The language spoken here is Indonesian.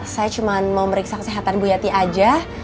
saya cuma mau meriksa kesehatan bu yati aja